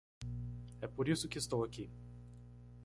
É por isso que estou aqui.